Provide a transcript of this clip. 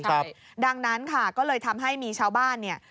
ใช่ดังนั้นค่ะก็เลยทำให้มีชาวบ้านเนี่ย